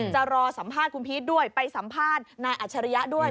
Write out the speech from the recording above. จะรอสัมภาษณ์คุณพีชด้วยไปสัมภาษณ์นายอัจฉริยะด้วย